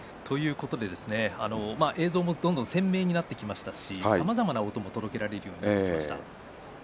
映像もどんどん鮮明になってきましたしさまざまな音も届けられるようになってきました。